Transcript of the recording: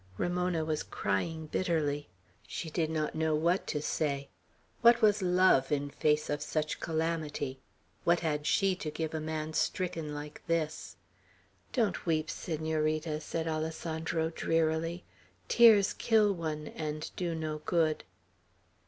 Ramona was crying bitterly. She did not know what to say. What was love, in face of such calamity? What had she to give to a man stricken like this.' "Don't weep, Senorita," said Alessandro, drearily. "Tears kill one, and do no good."